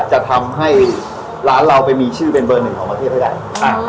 จะทำให้ร้านเราไปมีชื่อเป็นเบอร์หนึ่งของประเทศให้ได้